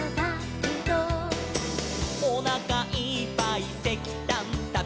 「」「おなかいっぱいせきたんたべて」